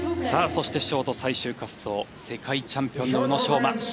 ショート最終滑走世界チャンピオンの宇野昌磨